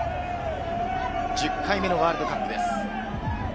１０回目のワールドカップです。